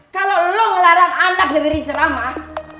kalo lo ngelarang anak dengerin ceramah